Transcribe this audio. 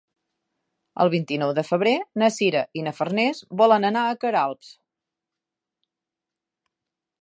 El vint-i-nou de febrer na Sira i na Farners volen anar a Queralbs.